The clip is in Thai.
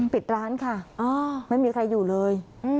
ปิดร้านค่ะไม่มีใครอยู่เลย